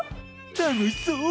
楽しそう！